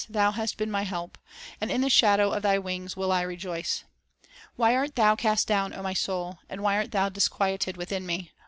.• Thou hast been my help, And in the shadow of Thy wings will I rejoice." "Why art thou cast down, O my soul? And why art thou disquieted within me?